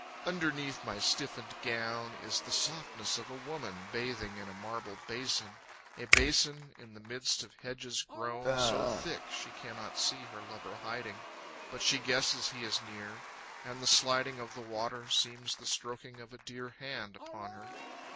Underneath my stiffened gown Is the softness of a woman bathing in a marble basin, A basin in the midst of hedges grown So thick, she cannot see her lover hiding, But she guesses he is near, And the sliding of the water Seems the stroking of a dear Hand upon her.